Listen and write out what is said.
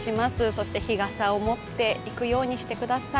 そして日傘を持っていくようにしてください。